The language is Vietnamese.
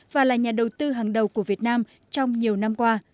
và là nhà đầu tư hàng đầu của việt nam trong nhiều năm qua